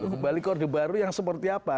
kembali ke orde baru yang seperti apa